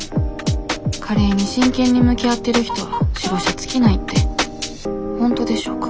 カレーに真剣に向き合ってる人は白シャツ着ないって本当でしょうか